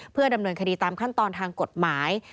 เพื่อดำเนินคดีตามขั้นตอนทางกฎหมาย